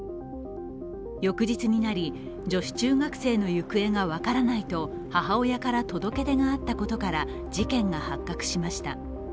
翌日になり、女子中学生の行方が分からないと母親から届け出があったことから事件が発覚しました。